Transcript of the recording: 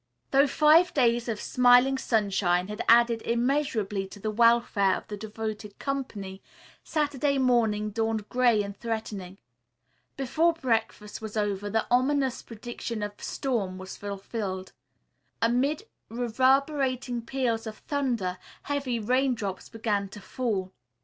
Though five days of smiling sunshine had added immeasurably to the welfare of the devoted company, Saturday morning dawned gray and threatening. Before breakfast was over the ominous prediction of storm was fulfilled. Amid reverberating peals of thunder, heavy raindrops began to fall.